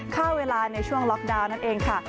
เข้าเวลาในช่วงล็อกดาวน์นั่นเองค่ะ